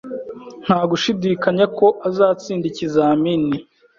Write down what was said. Nta gushidikanya ko azatsinda ikizamini